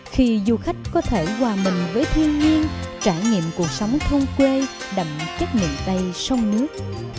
khi du khách có thể hòa mình với thiên nhiên trải nghiệm cuộc sống thông quê đậm chất miệng tay sông nước